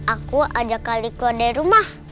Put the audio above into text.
aku ajak kaliko dari rumah